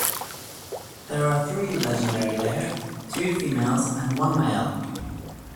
There are three legendary Leyak, two females and one male.